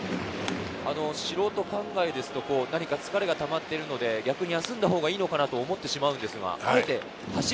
素人考えですと、何か疲れがたまっているので、休んだほうがいいのかなと思ってしまうんです